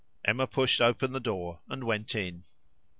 Emma pushed open the door and went in.